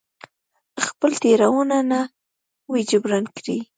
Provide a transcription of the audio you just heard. خپله تېروتنه نه وي جبران کړې.